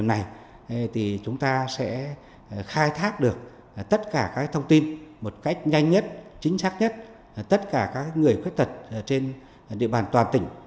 thì chúng ta sẽ khai thác được tất cả các thông tin một cách nhanh nhất chính xác nhất tất cả các người khuyết tật trên địa bàn toàn tỉnh